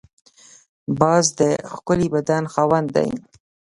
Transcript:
باز د ښکلي بدن خاوند دی